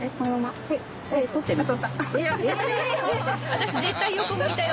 私絶対横向いたよ。